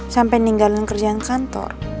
sampai ninggalin kerjaan kantor